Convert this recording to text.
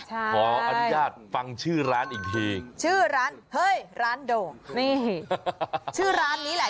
ขออนุญาตฟังชื่อร้านอีกทีชื่อร้านเฮ้ยร้านโด่งนี่ชื่อร้านนี้แหละ